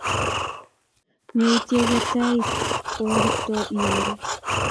meutie i ker tait koKiptooo iwe i ruu